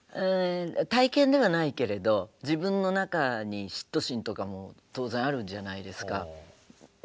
体験ではないけれど自分の中に嫉妬心とかも当然あるんじゃないですか。